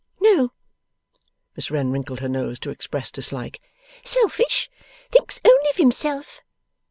'No.' Miss Wren wrinkled her nose, to express dislike. 'Selfish. Thinks only of himself.